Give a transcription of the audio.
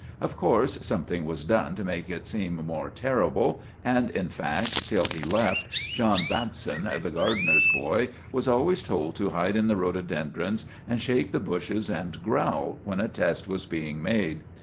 Of course something was done to make it seem more terrible, and, in fact, till he left, John Batson, the gardener's boy, was always told to hide in the rhododendrons, and shake the bushes and growl when a test was being made.